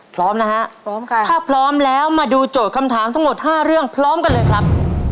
พร้อมนะฮะพร้อมค่ะถ้าพร้อมแล้วมาดูโจทย์คำถามทั้งหมดห้าเรื่องพร้อมกันเลยครับ